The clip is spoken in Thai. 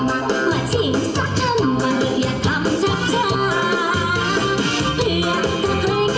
มาเสียสักคำว่าจะเอาไหล่เข้าไหล่